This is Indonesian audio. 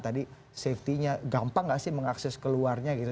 tadi safety nya gampang nggak sih mengakses keluarnya gitu